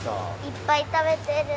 いっぱい食べてる！